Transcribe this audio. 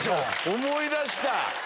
思い出した。